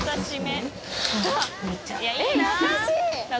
いいなあ。